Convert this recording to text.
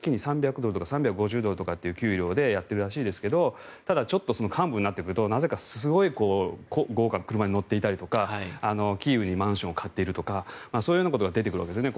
ＳＢＵの職員は大体、月に３００ドルとか３５０ドルっていう給料でやっているらしいですが幹部になってくるとすごい豪華な車に乗っていたりとかキーウにマンションを買っているとかそういうことが出てくるわけですね。